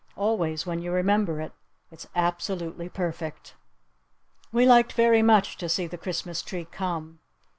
Always when you remember it, it's absolutely perfect. We liked very much to see the Christmas tree come.